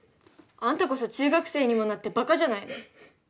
あんたこそ中学生にもなってバカじゃないの。